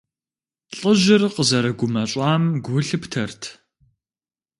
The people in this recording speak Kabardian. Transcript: Лӏыжьыр къызэрыгумэщӀам гу лъыптэрт.